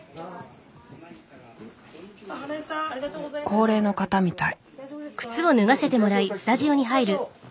高齢の方みたい。